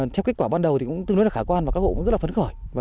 theo kết quả ban đầu thì cũng tương đối là khả quan và các hộ cũng rất là phấn khởi